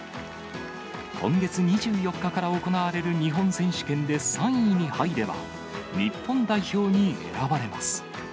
今月２４日から行われる日本選手権で３位に入れば、日本代表に選ばれます。